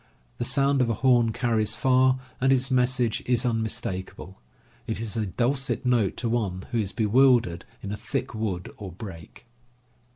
The sound of a horn carries far, and its message is unmis takable. It is a dulcet note to one who is bewildered in a thick wood or brake.